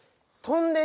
「とんで」？